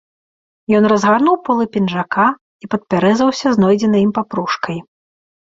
Ён разгарнуў полы пінжака і падперазаўся знойдзенай ім папружкай.